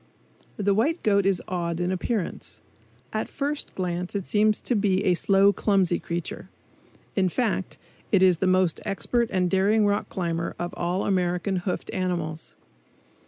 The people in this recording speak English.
The white goat is odd in appearance. At first glance it seems to be a slow, clumsy creature; in fact, it is the most expert and daring rock climber of all American hoofed animals.